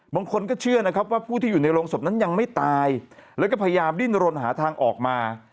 บางคนก็เชื่อนะครับว่าผู้ที่อยู่ในโรงศพนั้นยังไม่ตายแล้วก็พยายามดิ้นรนหาทางออกมา